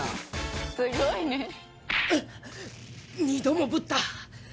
「二度もぶった。